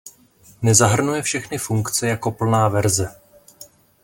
Nezahrnuje všechny funkce jako plná verze.